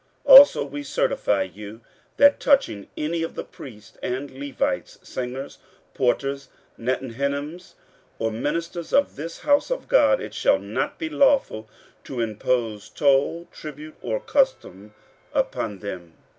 15:007:024 Also we certify you, that touching any of the priests and Levites, singers, porters, Nethinims, or ministers of this house of God, it shall not be lawful to impose toll, tribute, or custom, upon them.